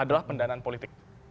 adalah pendanaan politik